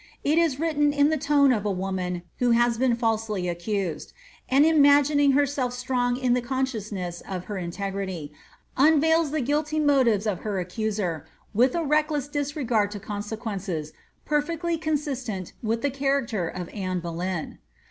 It is written in the tone of a woman who has been falsely accused ; and imagining herKlf strong in the consciousness of her integrity, unveils the guilty motivea of her accuser, with a reckless disregard to consequences, perfectly con sistent with the character of Anne Boleyn.